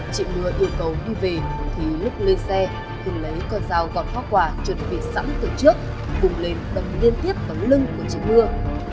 chiếc mưa yêu cầu đi về thì lúc lên xe hưng lấy con dao gọt hoa quả chuẩn bị sẵn từ trước vùng lên bấm liên tiếp bấm lưng của chiếc mưa